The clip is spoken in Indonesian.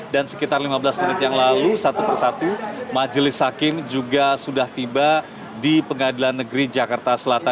dan sekitar lima belas menit yang lalu satu persatu majelis hakim juga sudah tiba di pengadilan negeri jakarta selatan